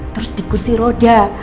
terus di kursi roda